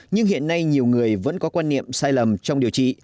nhưng hiện nay nhiều người vẫn có quan niệm sai lầm trong điều trị